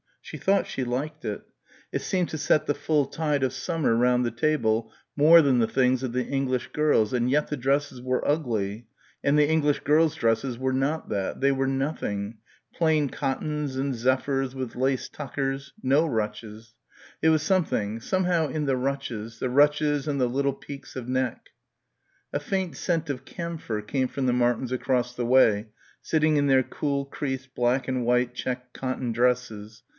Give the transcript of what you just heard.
She thought she liked it. It seemed to set the full tide of summer round the table more than the things of the English girls and yet the dresses were ugly and the English girls' dresses were not that ... they were nothing ... plain cottons and zephyrs with lace tuckers no ruches. It was something ... somehow in the ruches the ruches and the little peaks of neck. A faint scent of camphor came from the Martins across the way, sitting in their cool creased black and white check cotton dresses.